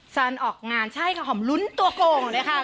สันออกงานใช่ค่ะหอมลุ้นตัวโก่งเลยค่ะ